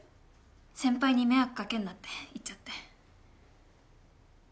先輩に迷惑かけんなって言っちゃって。